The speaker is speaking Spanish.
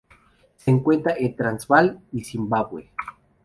Se encuentra en Transvaal y Zimbabue.